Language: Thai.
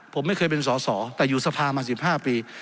ผมไม่เคยเป็นสอสอแต่อยู่สภามา๑๕ปี